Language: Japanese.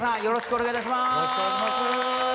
よろしくお願いします。